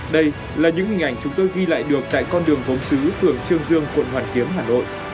đây là những hình ảnh chúng tôi ghi lại được tại con đường gốm xứ phường trương dương quận hoàn kiếm hà nội